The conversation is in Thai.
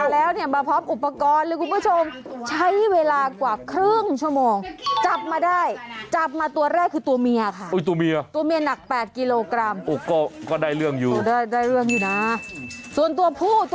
เลข๑เลขอะไรอีกขอ๓ตัว